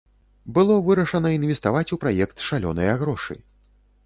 Было вырашана інвеставаць у праект шалёныя грошы.